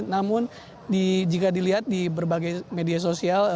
namun jika dilihat di berbagai media sosial